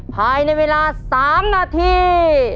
ภายในเวลา๓นาที